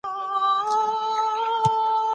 په فساد هغه څوک اخته کيږي، چي تهديد سوي وي.